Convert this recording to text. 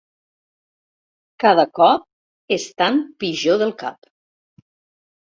Cada cop estan pitjor del cap.